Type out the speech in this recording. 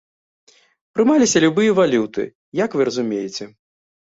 Прымаліся любыя валюты, як вы разумееце.